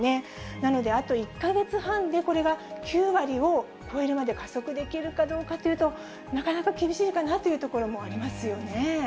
なので、あと１か月半でこれが９割を超えるまで加速できるかどうかっていうと、なかなか厳しいのかなというところもありますよね。